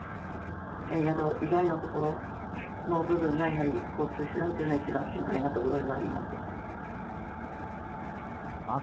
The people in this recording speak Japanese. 宿以外のところの部分が、やはり交通手段というのが一番心配なところではあります。